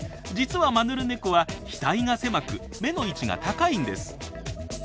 実はマヌルネコは額が狭く目の位置が高いんです。